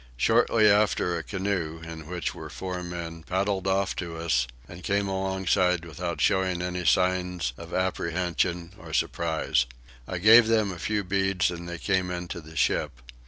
Shortly after a canoe, in which were four men, paddled off to us and came alongside without showing any signs of apprehension or surprise. I gave them a few beads and they came into the ship.